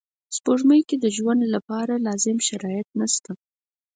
سپوږمۍ کې د ژوند لپاره لازم شرایط نشته